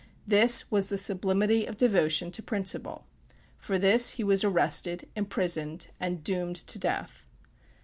This was the sublimity of devotion to principle. For this he was arrested, imprisoned and doomed to death.